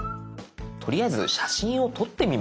とりあえず写真を撮ってみましょう。